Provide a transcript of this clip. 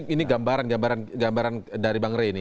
ini gambaran dari bang rey ini ya